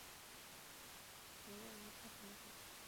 弗洛拉克三河。